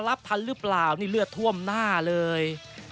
รับทันหรือเปล่านี่เลือดท่วมหน้าเลย